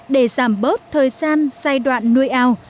để giảm bớt thời gian giai đoạn nuôi ao